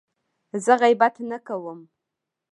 زه غیبت نه کوم.